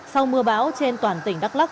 sau mưa bão trên toàn tỉnh đắk lắc